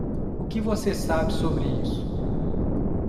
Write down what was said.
O que você sabe sobre isso.